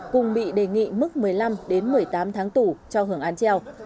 cùng bị đề nghị mức một mươi năm một mươi tám tháng tù cho hưởng án treo